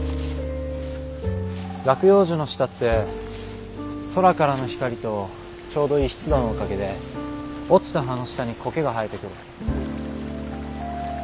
落葉樹の下って空からの光とちょうどいい湿度のおかげで落ちた葉の下に苔が生えてくる。